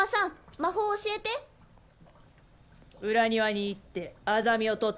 裏庭に行ってアザミをとっといで。